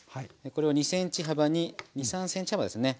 これを２ｃｍ幅に２３ｃｍ幅ですね